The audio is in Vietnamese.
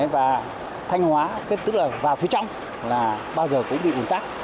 và thanh hóa tức là vào phía trong là bao giờ cũng bị ủn tắc